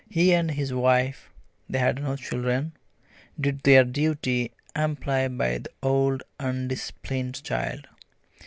He and his wife they had no children did their duty amply by the odd undisciplined child.